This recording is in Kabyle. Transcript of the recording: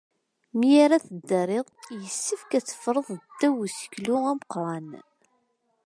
Mi ara teddariḍ, yessefk ad teffreḍ ddaw useklu ameqran.